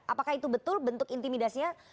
apakah itu betul bentuk intimidasinya